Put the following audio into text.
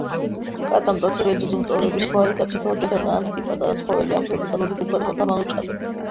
კატა მტაცებელი ძუძუმწოვრების გვარი კატისებრთა ოჯახისა. ტანად პატარა ცხოველებია. აქვთ ვერტიკალური გუგა, ჩამალული ბრჭყალები.